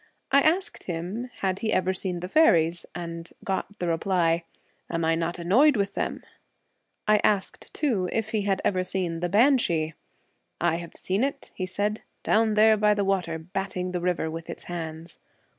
I asked him had he ever seen the faeries, and got the reply, ' Am I not annoyed with them ?' I asked too if he had ever seen the banshee. I I have seen it,' he said, 'down there by the water, batting the river with its hands.'